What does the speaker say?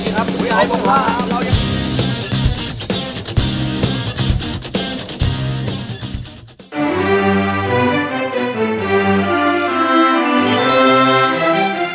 ครับคุณยายบอกว่า